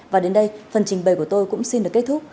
và đến đây phần trình bày của tôi cũng xin được kết thúc